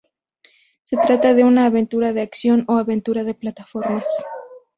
Se trata de una aventura de acción, o aventura de plataformas.